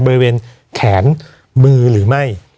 บริเวณแขนมือหรือไม่